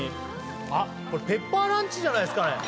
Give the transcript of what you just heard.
あっあれペッパーライスじゃないですか？